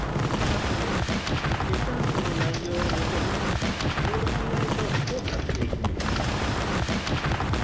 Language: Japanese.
２つ目決算書の内容を元に登録依頼書を作成する。